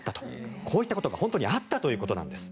こういったことが本当にあったということです。